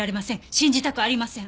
信じたくありません。